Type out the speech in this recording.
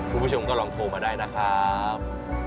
คุณผู้ชมก็ลองโทรมาได้นะครับ